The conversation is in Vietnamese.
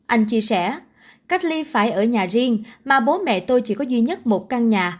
anh chia sẻ cách ly phải ở nhà riêng mà bố mẹ tôi chỉ có duy nhất một căn nhà